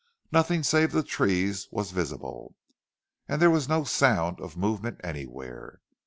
Nothing save the trees was visible, and there was no sound of movement anywhere.